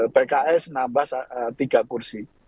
pks nambah tiga kursi